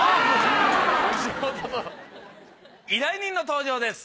依頼人の登場です。